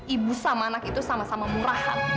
ibu sama anak itu sama sama murahan